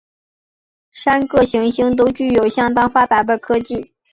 三个行星都具有相当发达的科技。